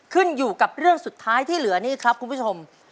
ขึ้นอยู่กับเรื่องสุดท้ายที่เหลือนี่ครับคุณผู้ชม